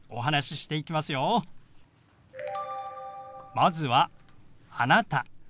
まずは「あなた」。